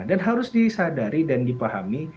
dan harus disadari dan dipahami